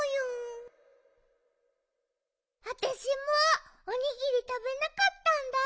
あたしもおにぎりたべなかったんだ。